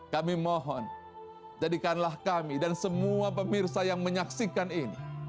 kami mohon jadikanlah kami dan semua pemirsa yang menyaksikan ini